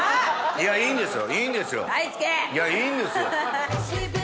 いやいいんですよ。